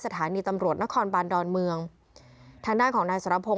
สถานีตำรวจนครปานดรเมืองฐานด้านของนายสรณพงษ์เอง